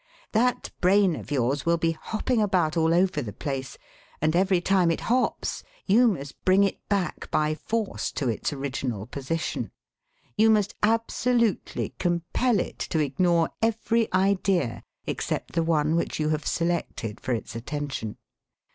That brain of yours will be hopping about all over the place, and every time it hops you must bring it back by force to its original position. You must absolutely compel it to ignore every idea except the one which you have selected for its attention.